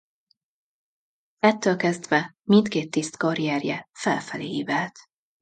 Ettől kezdve mindkét tiszt karrierje felfelé ívelt.